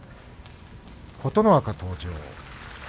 琴ノ若、登場。